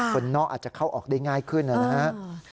คนนอกอาจจะเข้าออกได้ง่ายขึ้นนะครับ